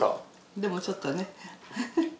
でもちょっとね。